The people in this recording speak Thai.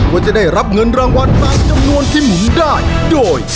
ว่าจะได้รับเงินรางวัลตามจำนวนที่หมุนได้โดย